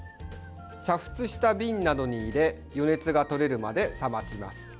煮沸した瓶などに入れ余熱が取れるまで冷まします。